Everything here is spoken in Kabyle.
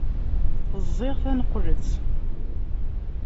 Ẓẓiɣ taneqlet.